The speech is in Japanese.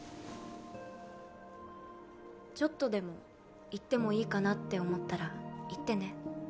ちょっとでも行ってもいいかなって思ったら言ってね。